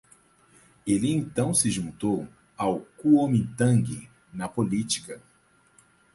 Ele então se juntou ao Kuomintang na política.